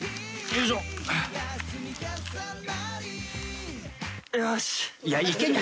よし。